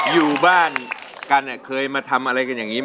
อยู่บ้านกันเคยมาทำอะไรกันอย่างนี้ไหม